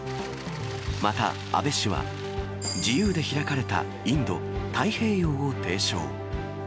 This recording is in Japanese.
また安倍氏は自由で開かれたインド太平洋を提唱。